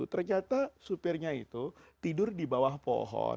ternyata supirnya itu tidur di bawah pohon